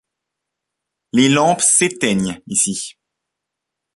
Les lampes s’éteignent ici.